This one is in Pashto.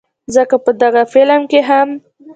ځکه په دغه فلم کښې هم